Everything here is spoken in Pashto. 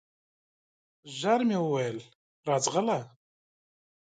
ژر مي وویل ! راځغله